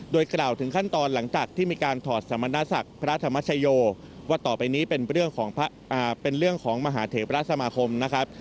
โดยกล่าวถึงขั้นตอนหลังจากที่มีการถอดสมณศักดิ์พระธรรมชโยว่าต่อไปนี้เป็นเรื่องของเป็นเรื่องของมหาเทพราชสมาคมนะครับ